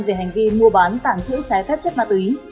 về hành vi mua bán tàng trữ trái phép chất ma túy